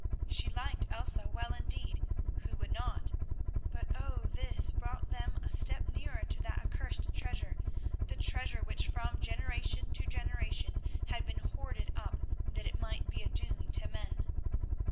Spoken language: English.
She liked Elsa well indeed—who would not?—but oh! this brought them a step nearer to that accursed treasure, the treasure which from generation to generation had been hoarded up that it might be a doom to men.